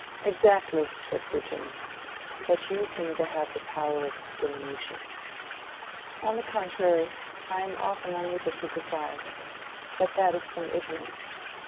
"Exactly," said Sir James. "But you seem to have the power of discrimination." "On the contrary, I am often unable to decide. But that is from ignorance.